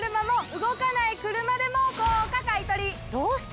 どうして？